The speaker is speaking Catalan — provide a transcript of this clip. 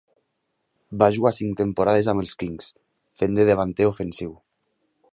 Va jugar cinc temporades amb els Kings, fent de davanter ofensiu.